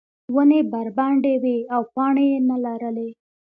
ونې بربنډې وې او پاڼې یې نه لرلې.